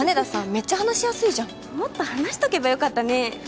メッチャ話しやすいじゃんもっと話しとけばよかったね